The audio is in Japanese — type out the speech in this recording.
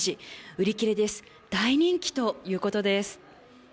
売り切れです、大人気ということです。